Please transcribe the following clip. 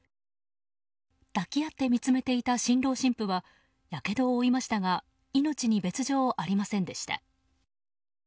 抱き合って見つめていた新郎新婦はやけどを負いましたが命に別条はありませんでした。